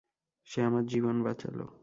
সে আমার জীবন বাঁচালো।